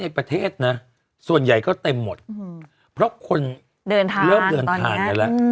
ในประเทศนะส่วนใหญ่ก็เต็มหมดเพราะคนเดินทางตอนเนี้ยเราแล้ว